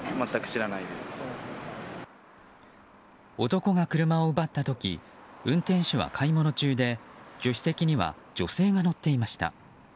男が車を奪った時運転手は買い物中で助手席には女性が乗っていました。